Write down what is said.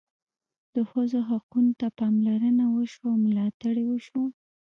د ښځو حقوقو ته پاملرنه وشوه او ملاتړ یې وشو.